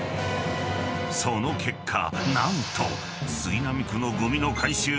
［その結果何と］